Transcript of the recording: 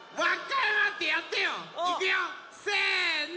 いくよせの。